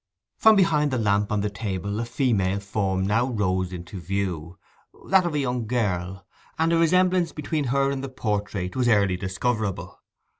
From behind the lamp on the table a female form now rose into view, that of a young girl, and a resemblance between her and the portrait was early discoverable.